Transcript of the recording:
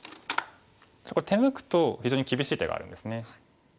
これ手抜くと非常に厳しい手があるんですね。